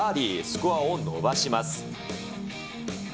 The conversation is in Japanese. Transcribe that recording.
スコアを伸ばします。